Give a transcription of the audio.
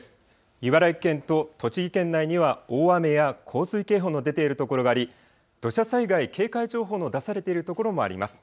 茨城県と栃木県内には大雨や洪水警報の出ているところがあり土砂災害警戒情報の出されている所もあります。